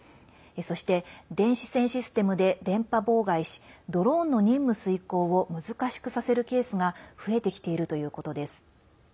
そして、電子戦システムで電波妨害しドローンの任務遂行を難しくさせるケースが増えてきているということです。